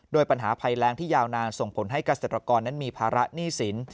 ปัญหาภัยแรงที่ยาวนานส่งผลให้เกษตรกรนั้นมีภาระหนี้สิน